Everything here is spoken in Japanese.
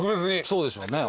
そうでしょうね。